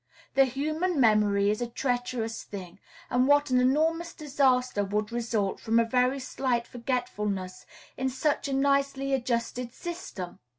The human memory is a treacherous thing, and what an enormous disaster would result from a very slight forgetfulness in such a nicely adjusted system!